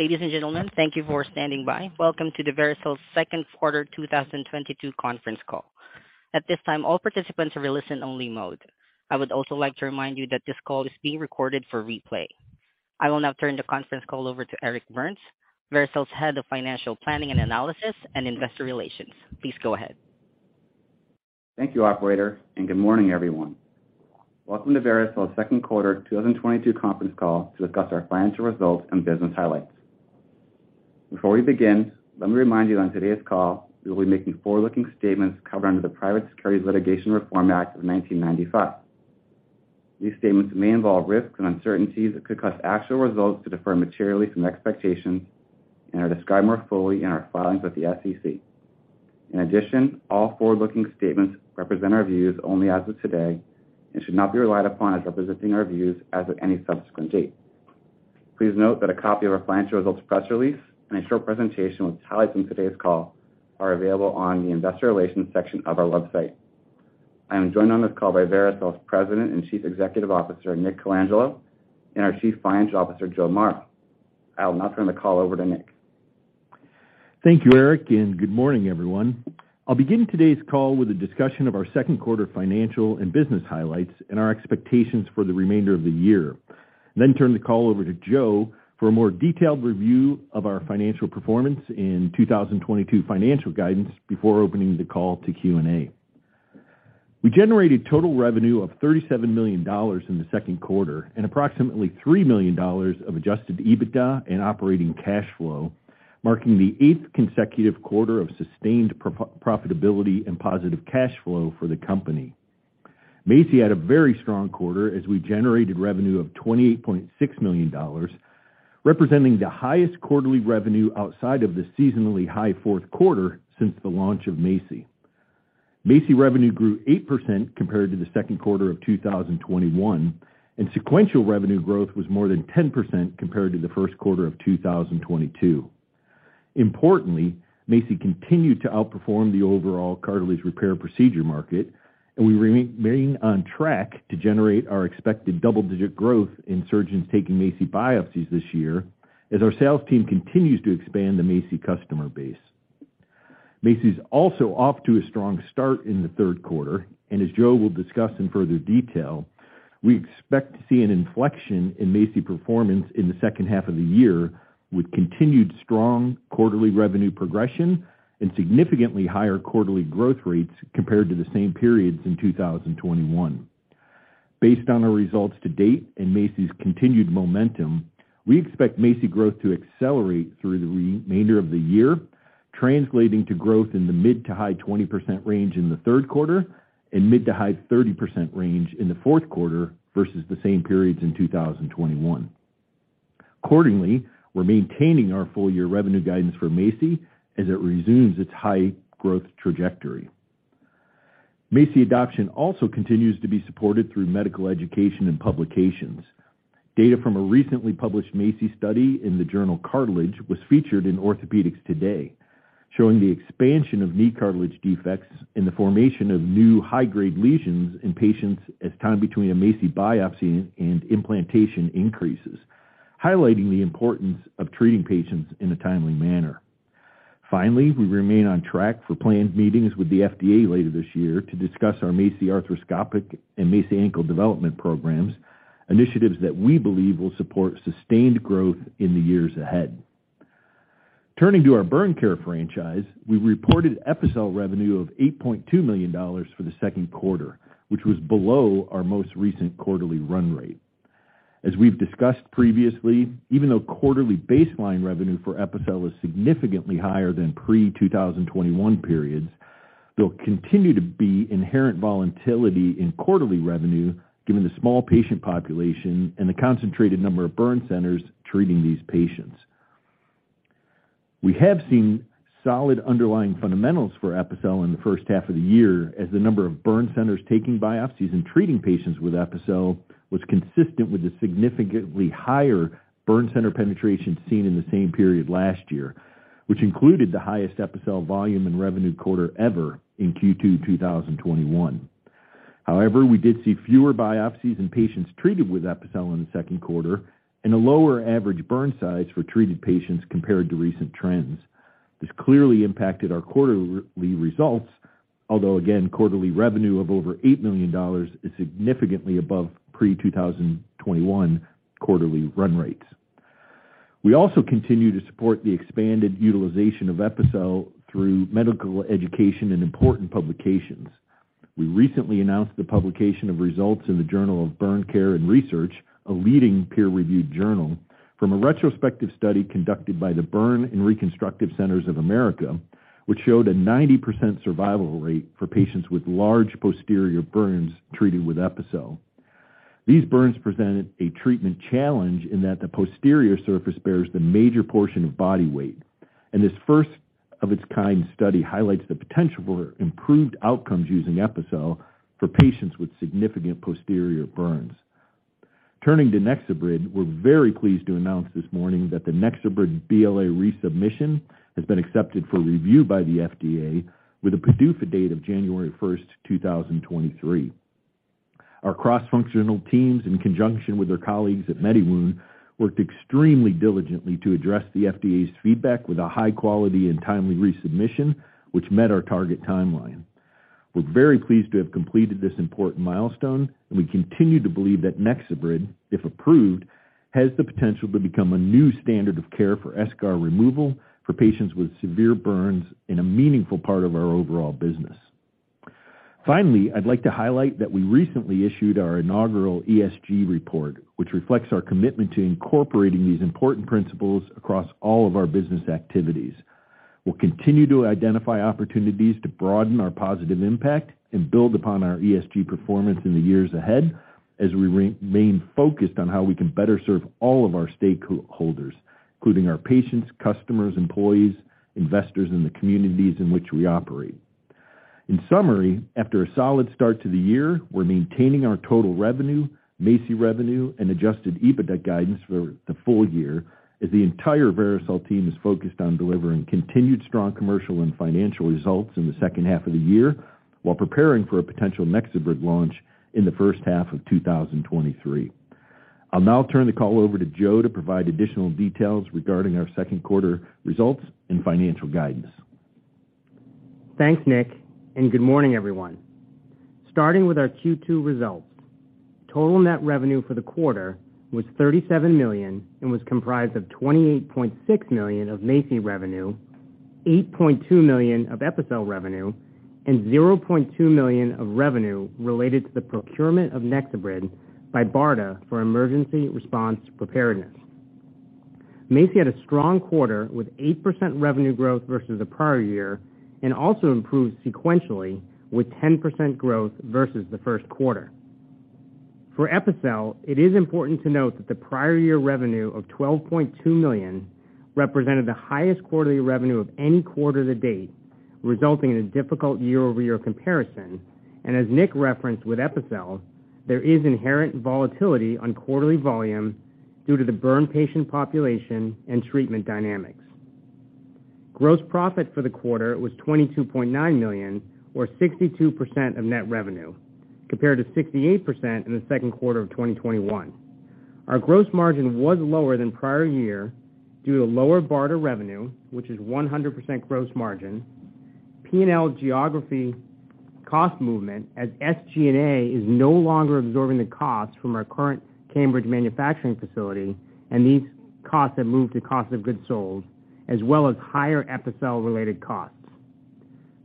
Ladies and gentlemen, thank you for standing by. Welcome to the Vericel second quarter 2022 conference call. At this time, all participants are in listen only mode. I would also like to remind you that this call is being recorded for rep lay. I will now turn the conference call over to Eric Burns, Vericel's Head of Financial Planning and Analysis and Investor Relations. Please go ahead. Thank you operator, and good morning everyone. Welcome to Vericel's second quarter 2022 conference call to discuss our financial results and business highlights. Before we begin, let me remind you on today's call we will be making forward-looking statements covered under the Private Securities Litigation Reform Act of 1995. These statements may involve risks and uncertainties that could cause actual results to differ materially from expectations and are described more fully in our filings with the SEC. In addition, all forward-looking statements represent our views only as of today and should not be relied upon as representing our views as of any subsequent date. Please note that a copy of our financial results press release and a short presentation with highlights from today's call are available on the investor relations section of our website. I am joined on this call by Vericel's President and Chief Executive Officer, Nick Colangelo, and our Chief Financial Officer, Joe Mara. I will now turn the call over to Nick. Thank you, Eric, and good morning everyone. I'll begin today's call with a discussion of our second quarter financial and business highlights and our expectations for the remainder of the year, then turn the call over to Joe for a more detailed review of our financial performance in 2022 financial guidance before opening the call to Q&A. We generated total revenue of $37 million in the second quarter and approximately $3 million of adjusted EBITDA and operating cash flow, marking the eighth consecutive quarter of sustained profitability and positive cash flow for the company. MACI had a very strong quarter as we generated revenue of $28.6 million, representing the highest quarterly revenue outside of the seasonally high fourth quarter since the launch of MACI. MACI revenue grew 8% compared to the second quarter of 2021, and sequential revenue growth was more than 10% compared to the first quarter of 2022. Importantly, MACI continued to outperform the overall cartilage repair procedure market, and we remain on track to generate our expected double-digit growth in surgeons taking MACI biopsies this year as our sales team continues to expand the MACI customer base. MACI's also off to a strong start in the third quarter, and as Joe will discuss in further detail, we expect to see an inflection in MACI performance in the second half of the year with continued strong quarterly revenue progression and significantly higher quarterly growth rates compared to the same periods in 2021. Based on our results to date and MACI's continued momentum, we expect MACI growth to accelerate through the remainder of the year, translating to growth in the mid to high 20% range in the third quarter and mid to high 30% range in the fourth quarter versus the same periods in 2021. Accordingly, we're maintaining our full year revenue guidance for MACI as it resumes its high growth trajectory. MACI adoption also continues to be supported through medical education and publications. Data from a recently published MACI study in the journal Cartilage was featured in Orthopedics Today, showing the expansion of knee cartilage defects and the formation of new high-grade lesions in patients as time between a MACI biopsy and implantation increases, highlighting the importance of treating patients in a timely manner. Finally, we remain on track for planned meetings with the FDA later this year to discuss our MACI arthroscopic and MACI ankle development programs, initiatives that we believe will support sustained growth in the years ahead. Turning to our burn care franchise. We reported Epicel revenue of $8.2 million for the second quarter, which was below our most recent quarterly run rate. As we've discussed previously, even though quarterly baseline revenue for Epicel is significantly higher than pre-2021 periods, there'll continue to be inherent volatility in quarterly revenue given the small patient population and the concentrated number of burn centers treating these patients. We have seen solid underlying fundamentals for Epicel in the first half of the year as the number of burn centers taking biopsies and treating patients with Epicel was consistent with the significantly higher burn center penetration seen in the same period last year, which included the highest Epicel volume and revenue quarter ever in Q2 2021. However, we did see fewer biopsies in patients treated with Epicel in the second quarter and a lower average burn size for treated patients compared to recent trends. This clearly impacted our quarterly results, although again, quarterly revenue of over $8 million is significantly above pre-2021 quarterly run rates. We also continue to support the expanded utilization of Epicel through medical education and important publications. We recently announced the publication of results in the Journal of Burn Care & Research, a leading peer-reviewed journal from a retrospective study conducted by the Burn and Reconstructive Centers of America, which showed a 90% survival rate for patients with large posterior burns treated with Epicel. These burns presented a treatment challenge in that the posterior surface bears the major portion of body weight, and this first-of-its-kind study highlights the potential for improved outcomes using Epicel for patients with significant posterior burns. Turning to NexoBrid, we're very pleased to announce this morning that the NexoBrid BLA resubmission has been accepted for review by the FDA with a PDUFA date of January 1, 2023. Our cross-functional teams, in conjunction with their colleagues at MediWound, worked extremely diligently to address the FDA's feedback with a high quality and timely resubmission, which met our target timeline. We're very pleased to have completed this important milestone, and we continue to believe that NexoBrid, if approved, has the potential to become a new standard of care for eschar removal for patients with severe burns in a meaningful part of our overall business. Finally, I'd like to highlight that we recently issued our inaugural ESG report, which reflects our commitment to incorporating these important principles across all of our business activities. We'll continue to identify opportunities to broaden our positive impact and build upon our ESG performance in the years ahead as we remain focused on how we can better serve all of our stakeholders, including our patients, customers, employees, investors in the communities in which we operate. In summary, after a solid start to the year, we're maintaining our total revenue, MACI revenue, and adjusted EBITDA guidance for the full year as the entire Vericel team is focused on delivering continued strong commercial and financial results in the second half of the year while preparing for a potential NexoBrid launch in the first half of 2023. I'll now turn the call over to Joe to provide additional details regarding our second quarter results and financial guidance. Thanks, Nick, and good morning, everyone. Starting with our Q2 results. Total net revenue for the quarter was $37 million and was comprised of $28.6 million of MACI revenue, $8.2 million of Epicel revenue, and $0.2 million of revenue related to the procurement of NexoBrid by BARDA for emergency response preparedness. MACI had a strong quarter with 8% revenue growth versus the prior year and also improved sequentially with 10% growth versus the first quarter. For Epicel, it is important to note that the prior year revenue of $12.2 million represented the highest quarterly revenue of any quarter to date, resulting in a difficult year-over-year comparison. As Nick referenced with Epicel, there is inherent volatility on quarterly volume due to the burn patient population and treatment dynamics. Gross profit for the quarter was $22.9 million or 62% of net revenue, compared to 68% in the second quarter of 2021. Our gross margin was lower than prior year due to lower BARDA revenue, which is 100% gross margin, P&L geographic cost movement as SG&A is no longer absorbing the costs from our current Cambridge manufacturing facility, and these costs have moved to cost of goods sold, as well as higher Epicel-related costs.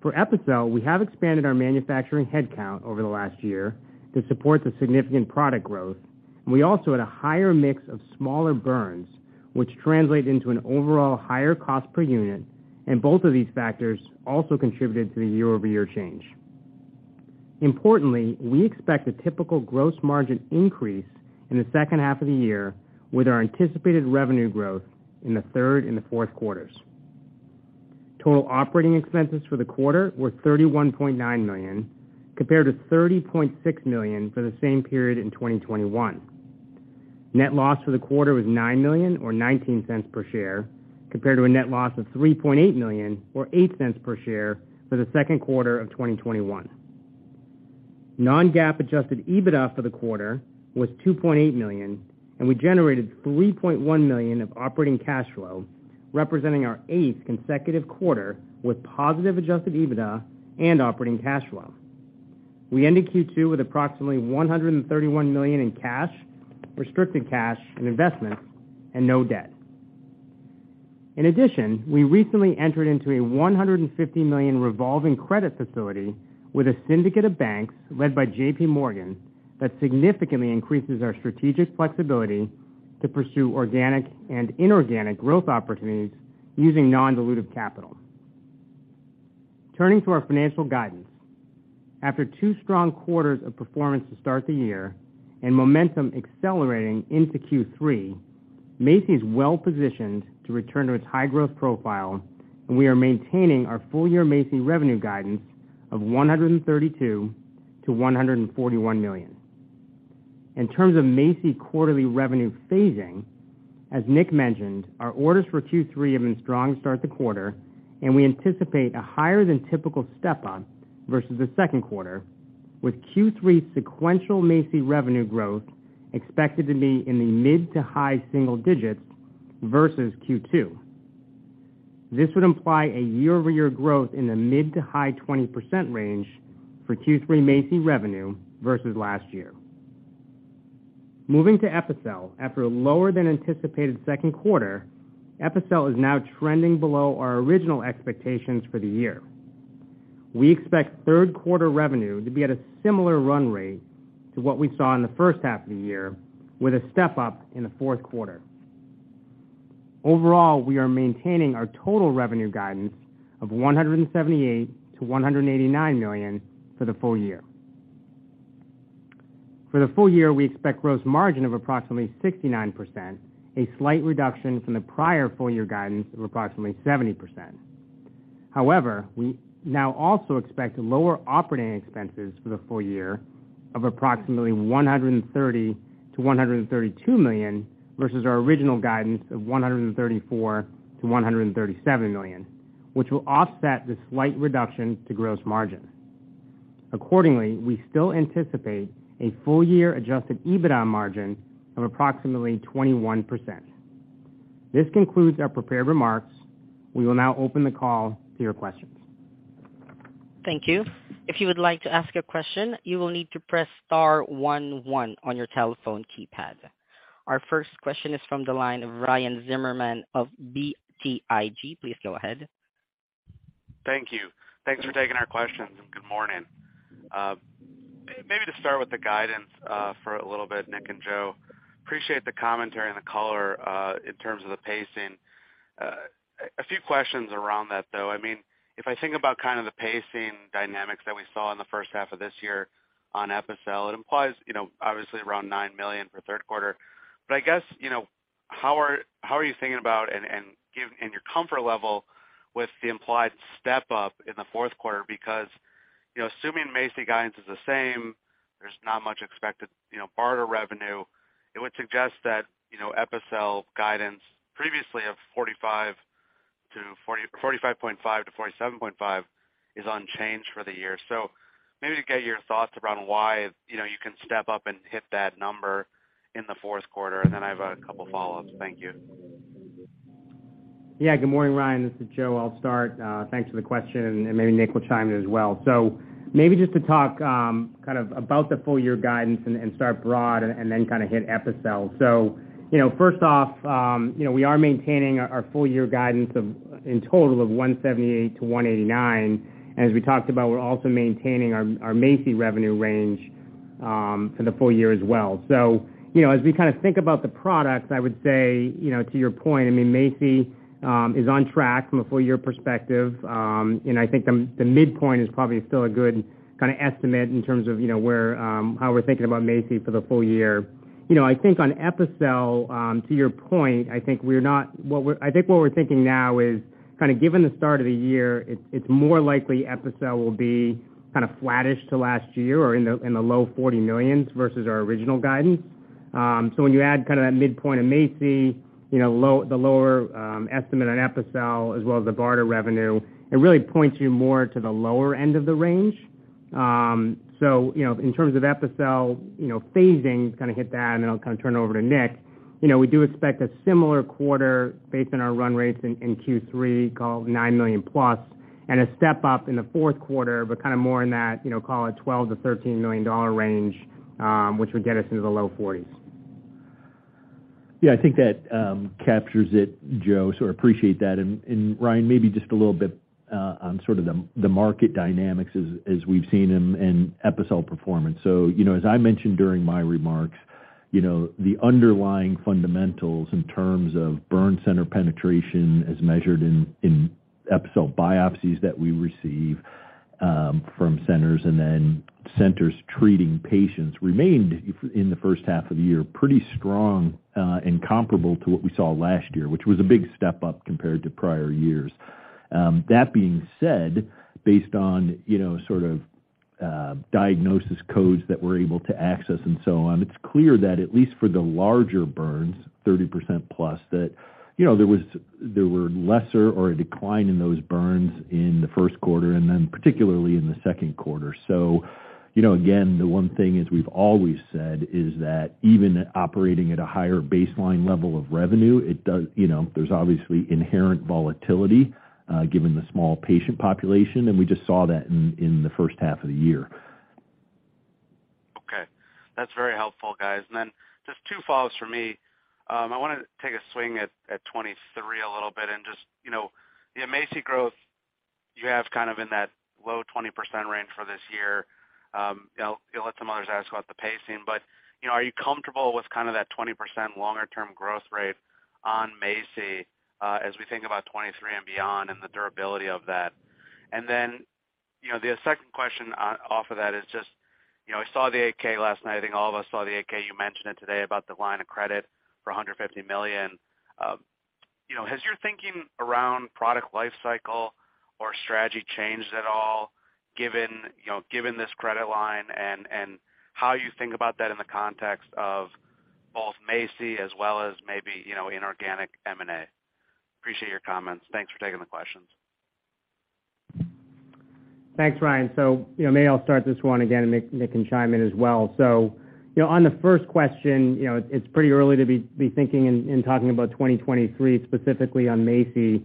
For Epicel, we have expanded our manufacturing headcount over the last year to support the significant product growth. We also had a higher mix of smaller burns, which translate into an overall higher cost per unit, and both of these factors also contributed to the year-over-year change. Importantly, we expect a typical gross margin increase in the second half of the year with our anticipated revenue growth in the third and the fourth quarters. Total operating expenses for the quarter were $31.9 million, compared to $30.6 million for the same period in 2021. Net loss for the quarter was $9 million or $0.19 per share, compared to a net loss of $3.8 million or $0.08 per share for the second quarter of 2021. Non-GAAP adjusted EBITDA for the quarter was $2.8 million, and we generated $3.1 million of operating cash flow, representing our eighth consecutive quarter with positive adjusted EBITDA and operating cash flow. We ended Q2 with approximately $131 million in cash, restricted cash and investment and no debt. In addition, we recently entered into a $150 million revolving credit facility with a syndicate of banks led by JP Morgan that significantly increases our strategic flexibility to pursue organic and inorganic growth opportunities using non-dilutive capital. Turning to our financial guidance. After two strong quarters of performance to start the year and momentum accelerating into Q3, MACI is well-positioned to return to its high-growth profile, and we are maintaining our full-year MACI revenue guidance of $132 million-$141 million. In terms of MACI quarterly revenue phasing, as Nick mentioned, our orders for Q3 have been strong to start the quarter, and we anticipate a higher than typical step-up versus the second quarter, with Q3 sequential MACI revenue growth expected to be in the mid- to high-single digits versus Q2. This would imply a year-over-year growth in the mid- to high-20% range for Q3 MACI revenue versus last year. Moving to Epicel. After a lower than anticipated second quarter, Epicel is now trending below our original expectations for the year. We expect third quarter revenue to be at a similar run rate to what we saw in the first half of the year with a step-up in the fourth quarter. Overall, we are maintaining our total revenue guidance of $178 million-$189 million for the full year. For the full year, we expect gross margin of approximately 69%, a slight reduction from the prior full year guidance of approximately 70%. However, we now also expect lower operating expenses for the full year of approximately $130 million-$132 million versus our original guidance of $134 million-$137 million. Which will offset the slight reduction to gross margin. Accordingly, we still anticipate a full-year adjusted EBITDA margin of approximately 21%. This concludes our prepared remarks. We will now open the call to your questions. Thank you. If you would like to ask a question, you will need to press star one one on your telephone keypad. Our first question is from the line of Ryan Zimmerman of BTIG. Please go ahead. Thank you. Thanks for taking our questions, and good morning. Maybe to start with the guidance, for a little bit, Nick and Joe, appreciate the commentary and the color, in terms of the pacing. A few questions around that, though. I mean, if I think about kind of the pacing dynamics that we saw in the first half of this year on Epicel, it implies, you know, obviously around $9 million for third quarter. I guess, you know, how are you thinking about and your comfort level with the implied step-up in the fourth quarter? Because, you know, assuming MACI guidance is the same, there's not much expected, you know, BARDA revenue. It would suggest that, you know, Epicel guidance previously of $45.5 million-$47.5 million is unchanged for the year. Maybe to get your thoughts around why, you know, you can step up and hit that number in the fourth quarter. Then I have a couple follow-ups. Thank you. Yeah. Good morning, Ryan. This is Joe. I'll start. Thanks for the question, and maybe Nick will chime in as well. Maybe just to talk kind of about the full year guidance and start broad and then kind of hit Epicel. You know, first off, you know, we are maintaining our full year guidance of, in total of $178-$189. As we talked about, we're also maintaining our MACI revenue range for the full year as well. You know, as we kind of think about the products, I would say, you know, to your point, I mean, MACI is on track from a full year perspective. I think the midpoint is probably still a good kind of estimate in terms of, you know, where, how we're thinking about MACI for the full year. You know, I think on Epicel, to your point, I think what we're thinking now is kind of given the start of the year, it's more likely Epicel will be kind of flattish to last year or in the low $40 million versus our original guidance. So when you add kind of that midpoint of MACI, you know, the lower estimate on Epicel as well as the BARDA revenue, it really points you more to the lower end of the range. You know, in terms of Epicel, you know, phasing, kind of hit that, and then I'll kind of turn it over to Nick. You know, we do expect a similar quarter based on our run rates in Q3, call it $9 million plus, and a step up in the fourth quarter, but kind of more in that, you know, call it $12 million-$13 million dollar range, which would get us into the low $40s. Yeah. I think that captures it, Joe, so appreciate that. Ryan, maybe just a little bit on sort of the market dynamics as we've seen in Epicel performance. You know, as I mentioned during my remarks, you know, the underlying fundamentals in terms of burn center penetration as measured in Epicel biopsies that we receive from centers and then centers treating patients remained in the first half of the year pretty strong and comparable to what we saw last year, which was a big step up compared to prior years. That being said, based on, you know, sort of, diagnosis codes that we're able to access and so on, it's clear that at least for the larger burns, 30% plus, that, you know, there were lesser or a decline in those burns in the first quarter and then particularly in the second quarter. You know, again, the one thing, as we've always said, is that even operating at a higher baseline level of revenue, it does, you know, there's obviously inherent volatility, given the small patient population, and we just saw that in the first half of the year. Okay. That's very helpful, guys. Then just two follows for me. I wanna take a swing at 2023 a little bit and just, you know, the MACI growth you have kind of in that low 20% range for this year. You know, you'll let some others ask about the pacing, but, you know, are you comfortable with kind of that 20% longer term growth rate on MACI, as we think about 2023 and beyond and the durability of that? Then, you know, the second question, off of that is just, you know, I saw the 8-K last night. I think all of us saw the 8-K. You mentioned it today about the line of credit for $150 million. You know, has your thinking around product life cycle or strategy changed at all given, you know, given this credit line and how you think about that in the context of both MACI as well as maybe, you know, inorganic M&A? Appreciate your comments. Thanks for taking the questions. Thanks, Ryan. You know, maybe I'll start this one again, and Nick can chime in as well. You know, on the first question, you know, it's pretty early to be thinking and talking about 2023 specifically on MACI.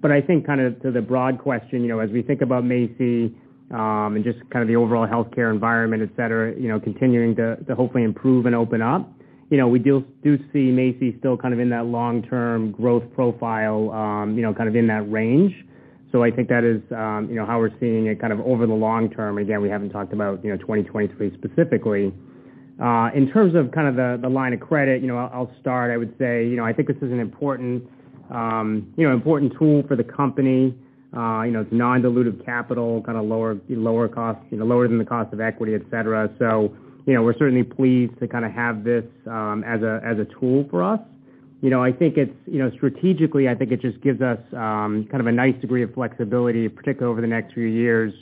But I think kind of to the broad question, you know, as we think about MACI, and just kind of the overall healthcare environment, et cetera, you know, continuing to hopefully improve and open up, you know, we do see MACI still kind of in that long-term growth profile, you know, kind of in that range. I think that is, you know, how we're seeing it kind of over the long term. Again, we haven't talked about, you know, 2023 specifically. In terms of kind of the line of credit, you know, I'll start. I would say, you know, I think this is an important tool for the company. You know, it's non-dilutive capital, kind of lower cost, you know, lower than the cost of equity, et cetera. You know, we're certainly pleased to kind of have this as a tool for us. You know, I think it's, you know, strategically, I think it just gives us kind of a nice degree of flexibility, particularly over the next few years,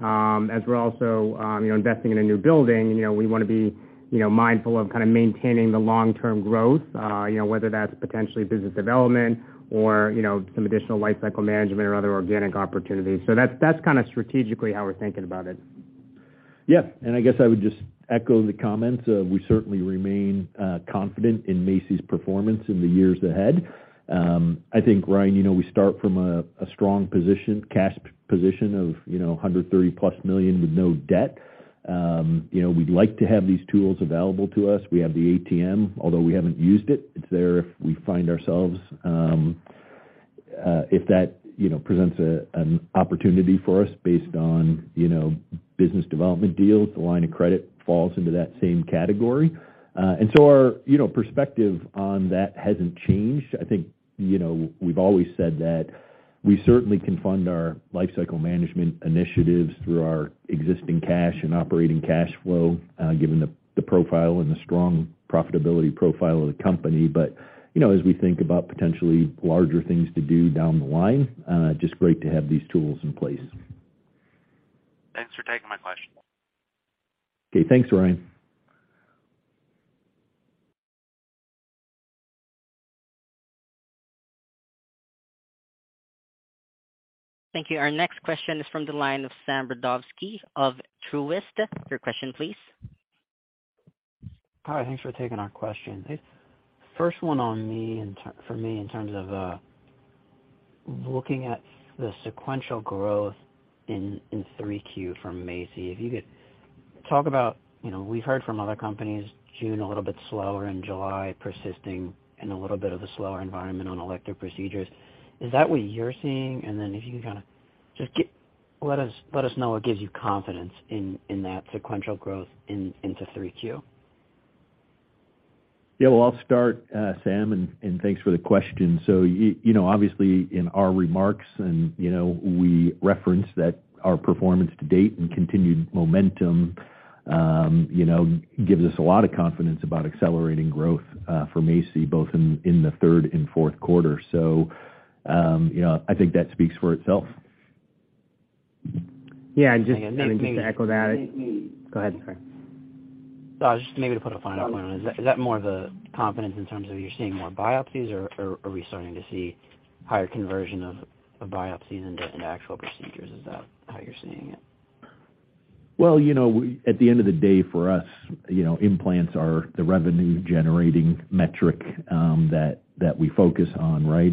as we're also, you know, investing in a new building and, you know, we wanna be, you know, mindful of kind of maintaining the long-term growth, you know, whether that's potentially business development or, you know, some additional life cycle management or other organic opportunities. That's kind of strategically how we're thinking about it. Yeah. I guess I would just echo the comments. We certainly remain confident in MACI's performance in the years ahead. I think, Ryan, we start from a strong position, cash position of $130+ million with no debt. We'd like to have these tools available to us. We have the ATM, although we haven't used it. It's there if we find ourselves if that presents an opportunity for us based on business development deals. The line of credit falls into that same category. Our perspective on that hasn't changed. I think, you know, we've always said that we certainly can fund our lifecycle management initiatives through our existing cash and operating cash flow, given the profile and the strong profitability profile of the company. You know, as we think about potentially larger things to do down the line, just great to have these tools in place. Thanks for taking my question. Okay. Thanks, Ryan. Thank you. Our next question is from the line of Sam Brodovsky of Truist. Your question please. Hi, thanks for taking our question. First one on me, for me in terms of looking at the sequential growth in 3Q for MACI. If you could talk about, you know, we've heard from other companies, June a little bit slower and July persisting in a little bit of a slower environment on elective procedures. Is that what you're seeing? Then if you can kind of just let us know what gives you confidence in that sequential growth into 3Q. Yeah. Well, I'll start, Sam, and thanks for the question. You know, obviously in our remarks and, you know, we referenced that our performance to date and continued momentum, you know, gives us a lot of confidence about accelerating growth for MACI, both in the third and fourth quarter. You know, I think that speaks for itself. Yeah. Just to echo that. Nick, maybe. Go ahead, sorry. Just maybe to put a fine point on it. Is that more of the confidence in terms of you're seeing more biopsies or are we starting to see higher conversion of biopsies into actual procedures? Is that how you're seeing it? Well, you know, at the end of the day for us, you know, implants are the revenue-generating metric that we focus on, right?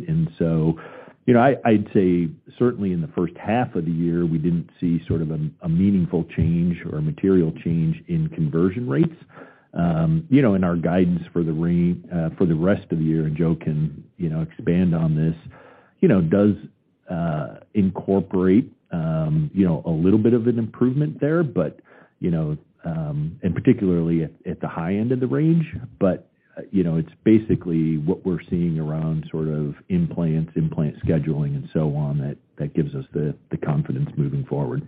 You know, I'd say certainly in the first half of the year, we didn't see sort of a meaningful change or a material change in conversion rates. You know, in our guidance for the rest of the year, and Joe can, you know, expand on this, you know, does incorporate, you know, a little bit of an improvement there, but, you know, and particularly at the high end of the range. You know, it's basically what we're seeing around sort of implants, implant scheduling and so on that gives us the confidence moving forward.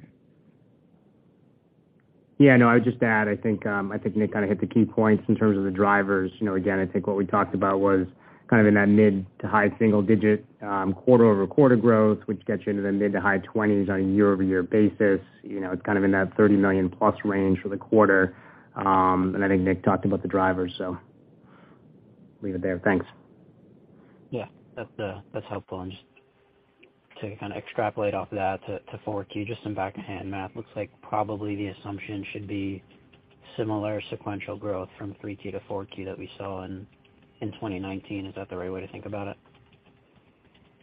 Yeah. No, I would just add, I think Nick kind of hit the key points in terms of the drivers. You know, again, I think what we talked about was kind of in that mid- to high-single-digit quarter-over-quarter growth, which gets you into the mid- to high twenties on a year-over-year basis. You know, it's kind of in that $30 million-plus range for the quarter. I think Nick talked about the drivers, so leave it there. Thanks. Yeah. That's helpful. Just to kind of extrapolate off that to 4Q, just some back-of-the-envelope math, looks like probably the assumption should be similar sequential growth from 3Q-4Q that we saw in 2019. Is that the right way to think about it?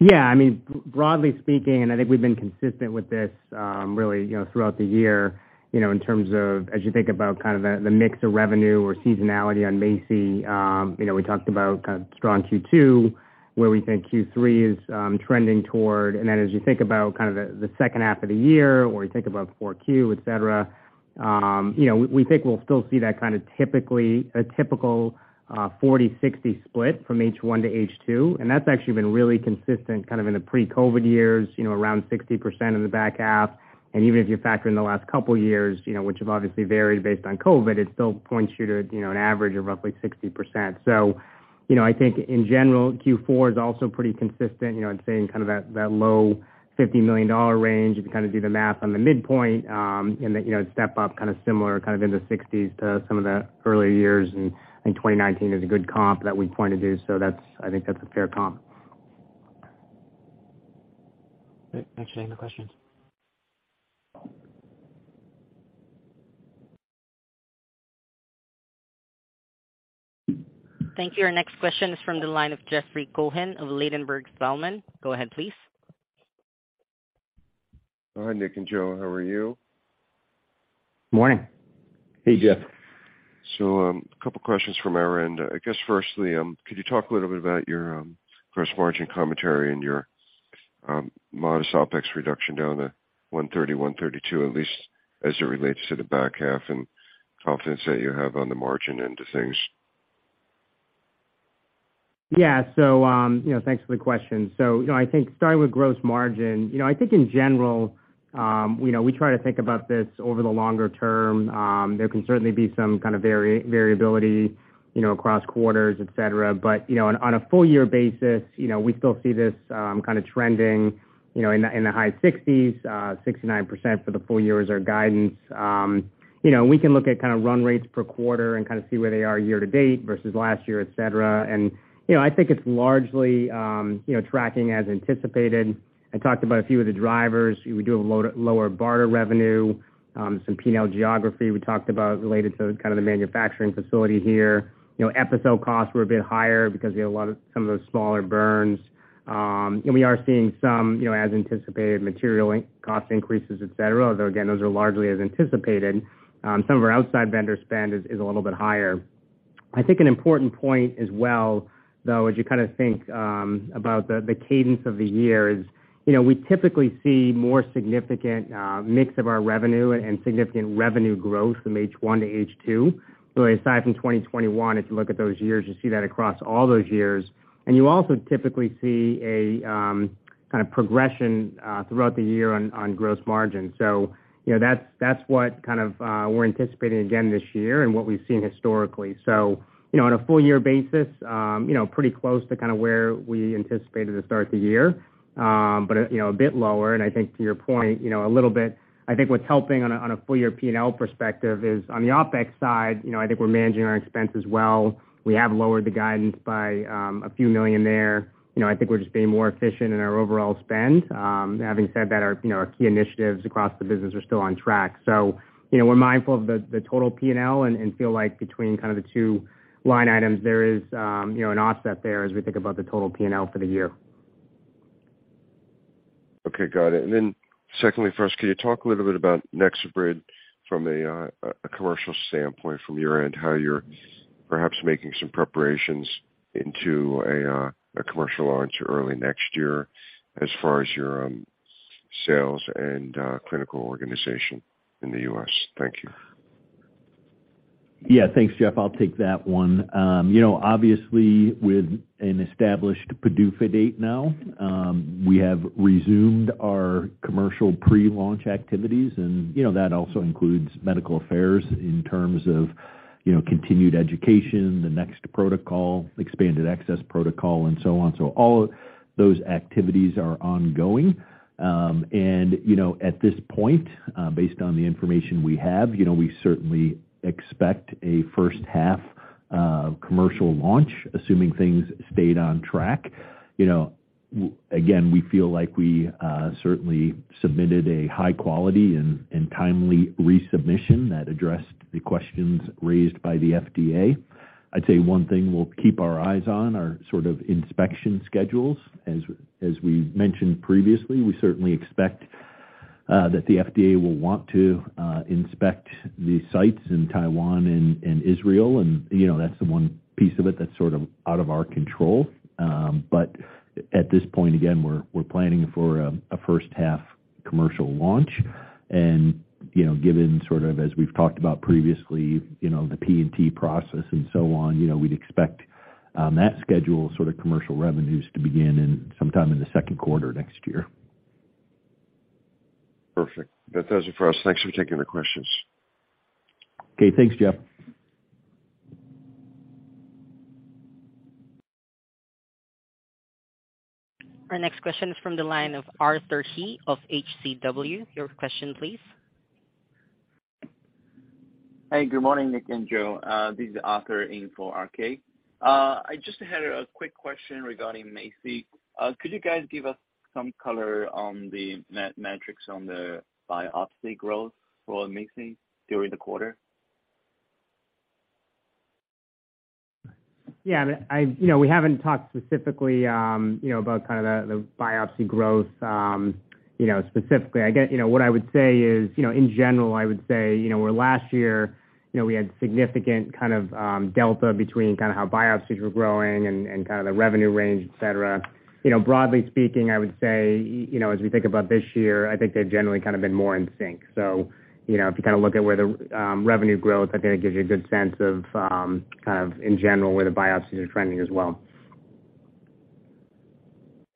Yeah. I mean, broadly speaking, and I think we've been consistent with this, really, you know, throughout the year, you know, in terms of as you think about kind of the mix of revenue or seasonality on MACI, you know, we talked about kind of strong Q2, where we think Q3 is trending toward. Then as you think about kind of the second half of the year or you think about Q4, et cetera, you know, we think we'll still see that kind of typical 40-60 split from H1 to H2, and that's actually been really consistent kind of in the pre-COVID years, you know, around 60% in the back half. Even if you factor in the last couple of years, you know, which have obviously varied based on COVID, it still points you to, you know, an average of roughly 60%. I think in general, Q4 is also pretty consistent, you know, I'd say in kind of that low $50 million range. If you kind of do the math on the midpoint, and the, you know, step up kind of similar kind of in the 60s to some of the earlier years. I think 2019 is a good comp that we pointed to, so that's. I think that's a fair comp. Great. Thanks for taking the questions. Thank you. Our next question is from the line of Jeffrey Cohen of Ladenburg Thalmann. Go ahead, please. Hi, Nick and Joe. How are you? Morning. Hey, Jeff. A couple questions from our end. I guess firstly, could you talk a little bit about your gross margin commentary and your modest OPEX reduction down to $130-$132 at least as it relates to the back half and confidence that you have on the margin end of things? Yeah, you know, thanks for the question. You know, I think starting with gross margin, you know, I think in general, you know, we try to think about this over the longer term. There can certainly be some kind of variability, you know, across quarters, et cetera. You know, on a full year basis, you know, we still see this kind of trending, you know, in the high sixties, 69% for the full year is our guidance. You know, we can look at kind of run rates per quarter and kind of see where they are year to date versus last year, et cetera. You know, I think it's largely, you know, tracking as anticipated. I talked about a few of the drivers. We do have a load of lower BARDA revenue, some P&L geography we talked about related to kind of the manufacturing facility here. You know, Epicel costs were a bit higher because we had a lot of some of those smaller burns, and we are seeing some, you know, as anticipated, material cost increases, et cetera. Although again, those are largely as anticipated. Some of our outside vendor spend is a little bit higher. I think an important point as well, though, as you kinda think about the cadence of the year is, you know, we typically see more significant mix of our revenue and significant revenue growth from H1 to H2. Really, aside from 2021, if you look at those years, you see that across all those years. You also typically see a kind of progression throughout the year on gross margin. That's what kind of we're anticipating again this year and what we've seen historically. You know, on a full year basis, you know, pretty close to kinda where we anticipated to start the year, but, you know, a bit lower. I think to your point, you know, a little bit, I think what's helping on a full year P&L perspective is on the OPEX side, you know, I think we're managing our expenses well. We have lowered the guidance by a few million there. You know, I think we're just being more efficient in our overall spend. Having said that, our, you know, our key initiatives across the business are still on track. you know, we're mindful of the total P&L and feel like between kind of the two line items there is, you know, an offset there as we think about the total P&L for the year. Okay, got it. Secondly for us, can you talk a little bit about NexoBrid from a commercial standpoint from your end, how you're perhaps making some preparations into a commercial launch early next year as far as your sales and clinical organization in the U.S.? Thank you. Yeah, thanks, Jeff. I'll take that one. You know, obviously with an established PDUFA date now, we have resumed our commercial pre-launch activities and, you know, that also includes medical affairs in terms of, you know, continued education, the next protocol, expanded access protocol and so on. So all those activities are ongoing. And you know, at this point, based on the information we have, you know, we certainly expect a first half commercial launch, assuming things stayed on track. You know, again, we feel like we certainly submitted a high quality and timely resubmission that addressed the questions raised by the FDA. I'd say one thing we'll keep our eyes on are sort of inspection schedules. As we mentioned previously, we certainly expect that the FDA will want to inspect the sites in Taiwan and Israel, you know, that's the one piece of it that's sort of out of our control. At this point, again, we're planning for a first half commercial launch. You know, given sort of as we've talked about previously, you know, the P&T process and so on, you know, we'd expect that schedule sort of commercial revenues to begin sometime in the second quarter next year. Perfect. That does it for us. Thanks for taking the questions. Okay, thanks, Jeff. Our next question is from the line of Arthur He of HCW. Your question please. Hi, good morning, Nick and Joe. This is Arthur He in for RK. I just had a quick question regarding MACI. Could you guys give us some color on the metrics on the biopsy growth for MACI during the quarter? Yeah. I mean, you know, we haven't talked specifically, you know, about kind of the biopsy growth, you know, specifically. I guess, you know, what I would say is, you know, in general, I would say, you know, where last year, you know, we had significant kind of delta between kinda how biopsies were growing and kind of the revenue range, et cetera. You know, broadly speaking, I would say, you know, as we think about this year, I think they've generally kind of been more in sync. You know, if you kinda look at where the revenue growth, I think it gives you a good sense of kind of in general, where the biopsies are trending as well.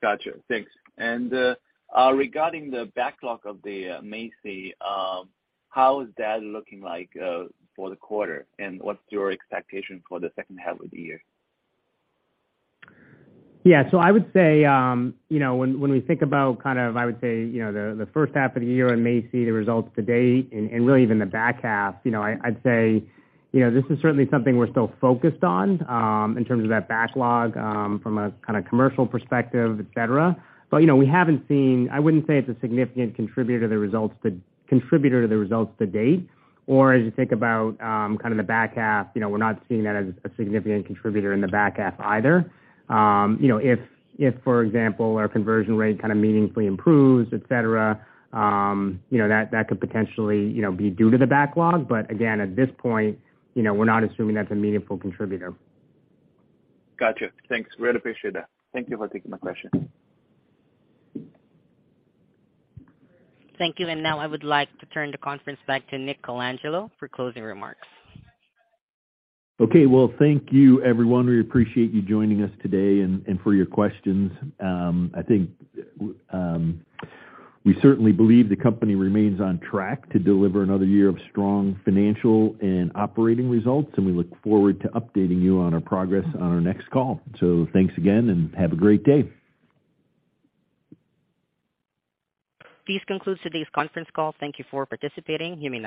Gotcha. Thanks. Regarding the backlog of the MACI, how is that looking like for the quarter and what's your expectation for the second half of the year? Yeah. I would say, you know, when we think about kind of, I would say, you know, the first half of the year on MACI, the results to date and really even the back half, you know, I'd say, you know, this is certainly something we're still focused on in terms of that backlog from a kind of commercial perspective, et cetera. You know, we haven't seen. I wouldn't say it's a significant contributor to the results to date. As you think about kind of the back half, you know, we're not seeing that as a significant contributor in the back half either. You know, if for example, our conversion rate kind of meaningfully improves, et cetera, you know, that could potentially, you know, be due to the backlog. Again, at this point, you know, we're not assuming that's a meaningful contributor. Gotcha. Thanks. Really appreciate that. Thank you for taking my question. Thank you. Now, I would like to turn the conference back to Nick Colangelo for closing remarks. Okay. Well, thank you everyone. We appreciate you joining us today and for your questions. I think we certainly believe the company remains on track to deliver another year of strong financial and operating results, and we look forward to updating you on our progress on our next call. Thanks again and have a great day. This concludes today's conference call. Thank you for participating. You may disconnect.